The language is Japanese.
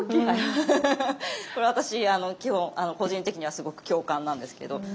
これ私個人的にはすごく共感なんですけど。